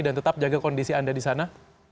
dan tetap jaga kondisi anda di sana